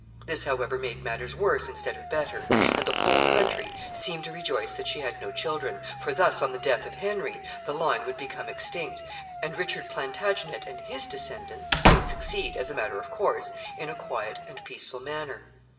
This, however, made matters worse instead of better, and the whole country seemed to rejoice that she had no children, for thus, on the death of Henry, the line would become extinct, and Richard Plantagenet and his descendants would succeed, as a matter of course, in a quiet and peaceful manner.